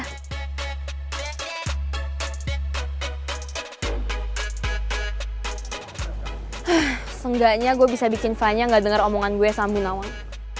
huff seenggaknya gue bisa bikin vanya gak denger omongan gue sama bu nawang